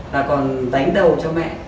là còn đánh đầu cho mẹ